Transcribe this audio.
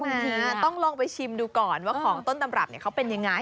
บางทีมันต้องลองไปชิมดูก่อนว่าของต้นตำรับเนี่ยเขาเป็นยังไง